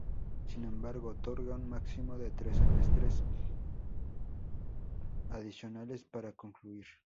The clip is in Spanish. Sin embargo, otorga un máximo de tres semestres adicionales para concluir.